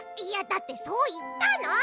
いやだってそういったの！